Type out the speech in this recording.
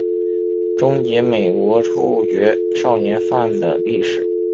终结美国处决少年犯的历史。